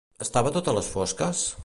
Estava tot a les fosques?